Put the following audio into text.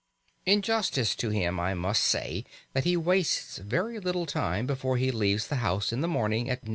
In justice to him I must say that he wastes very little time before he leaves the house in the morning at 9.